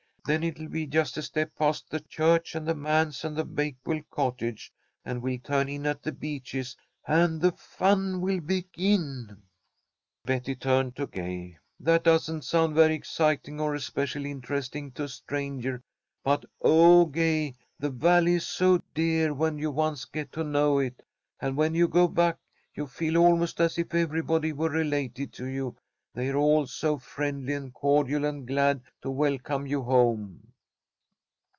Then it'll be just a step, past the church and the manse and the Bakewell cottage, and we'll turn in at The Beeches, and the fun will begin." Betty turned to Gay. "That doesn't sound very exciting or especially interesting to a stranger, but, oh, Gay, the Valley is so dear when you once get to know it. And when you go back, you feel almost as if everybody were related to you, they're all so friendly and cordial and glad to welcome you home."